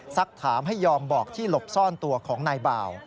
สักถามให้ยอมบอกที่หลบซ่อนตัวของนายบ่าว